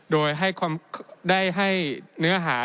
โดยได้ให้เนื้อหา